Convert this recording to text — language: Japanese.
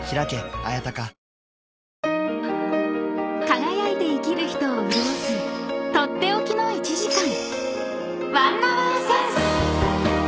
［輝いて生きる人を潤す取って置きの１時間］